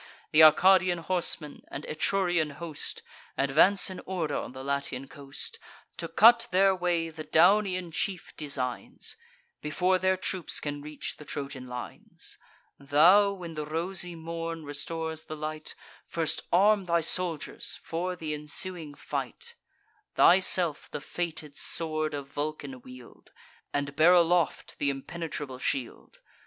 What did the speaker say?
Th' Arcadian horsemen, and Etrurian host, Advance in order on the Latian coast: To cut their way the Daunian chief designs, Before their troops can reach the Trojan lines. Thou, when the rosy morn restores the light, First arm thy soldiers for th' ensuing fight: Thyself the fated sword of Vulcan wield, And bear aloft th' impenetrable shield.